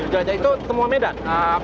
jelajah itu semua medan